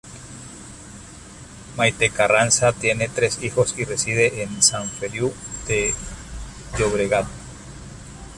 Maite Carranza tiene tres hijos y reside en San Feliú de Llobregat.